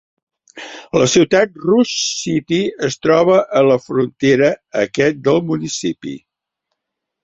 La ciutat Rush City es troba en la frontera aquest del municipi.